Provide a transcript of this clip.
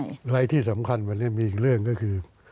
อะไรที่สำคัญวันนี้มีอีกเรื่องก็คือ